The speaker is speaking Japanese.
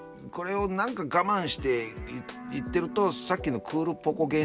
これを何か我慢して言ってるとさっきのクールポコ。